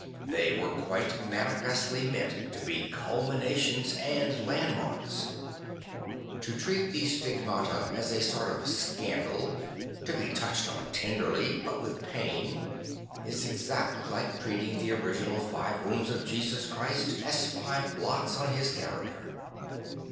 They were quite manifestly meant to be culmin ations and landmarks. To treat the Stigmata as a sort of scandal, to be touched on tenderly but with pain, is exactly like treating the original 'Ihe Problem of St. Francis 13 five wounds of Jesus Christ as five blots on His character.